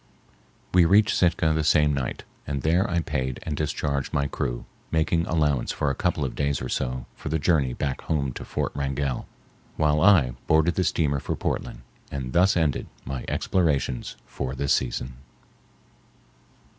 We reached Sitka the same night, and there I paid and discharged my crew, making allowance for a couple of days or so for the journey back home to Fort Wrangell, while I boarded the steamer for Portland and thus ended my explorations for this season.